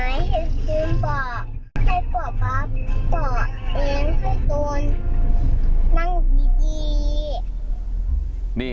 ให้ป๊าป๊าป่ะเองให้ตัวนั่งดี